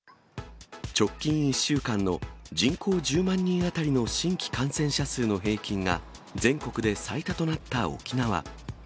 直近１週間の人口１０万人当たりの新規感染者数の平均が、全国で最多となった沖縄。